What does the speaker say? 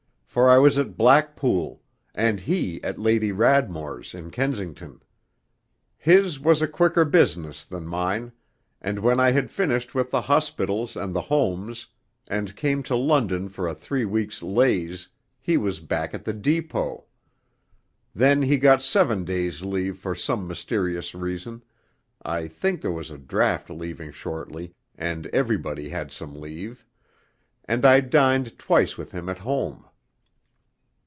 For I was at Blackpool, and he at Lady Radmore's in Kensington. His was a quicker business than mine; and when I had finished with the hospitals and the homes and came to London for a three weeks' laze, he was back at the Depot. Then he got seven days' leave for some mysterious reason (I think there was a draft leaving shortly, and everybody had some leave), and I dined twice with him at home.